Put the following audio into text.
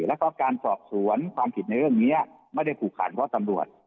แล้วก็การสอบสวนความผิดในเรื่องนี้ไม่ได้ผูกขาดเพราะตำรวจ